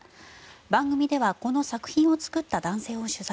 番組ではこの作品を作った男性を取材。